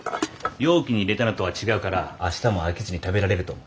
容器に入れたのとは違うから明日も飽きずに食べられると思う。